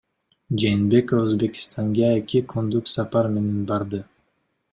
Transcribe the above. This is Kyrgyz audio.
Жээнбеков Өзбекстанга эки күндүк сапар менен барды.